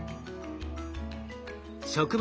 植物